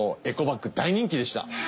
エコバッグ大人気でした。